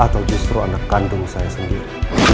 atau justru anak kandung saya sendiri